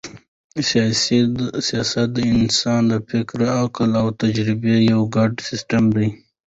سیاست د انسان د فکر، عقل او تجربې یو ګډ سیسټم دئ.